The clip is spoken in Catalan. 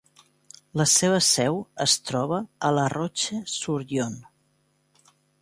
La seva seu es troba a La Roche-sur-Yon.